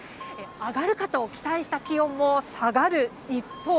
上がるかと期待した気温も下がる一方。